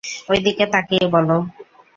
ঐদিকে তাকিয়ে বলো।